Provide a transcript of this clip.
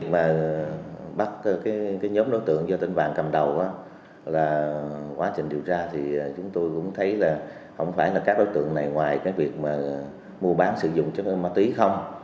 mà bắt cái nhóm đối tượng do tên vàng cầm đầu là quá trình điều tra thì chúng tôi cũng thấy là không phải là các đối tượng này ngoài cái việc mà mua bán sử dụng chất ma túy không